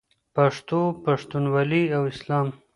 پښتو، پښتونولي او اسلام.